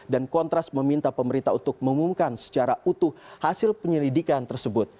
dan kontras meminta pemerintah untuk mengumumkan secara utuh hasil penyelidikan tersebut